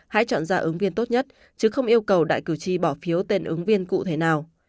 hãy chọn ra ứng viên tốt nhất chứ không yêu cầu đại cử tri bỏ phiếu tên ứng viên cụ thể nào